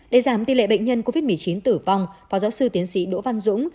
để giảm tỷ lệ bệnh nhân covid một mươi chín tử vong phó giáo sư tiến sĩ đỗ văn dũng